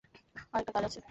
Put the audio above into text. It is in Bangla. আর একটা কাজ আছে।